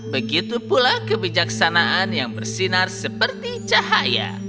begitu pula kebijaksanaan yang bersinar seperti cahaya